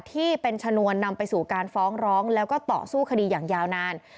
ที่เป็นชนวนนำไปสู่การฟ้องร้องแล้วก็ต่อสู้คดีอย่างยาวนาน